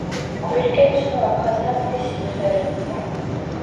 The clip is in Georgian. კვირიკემ ცნო აფხაზთა მეფის სიუზერენობა.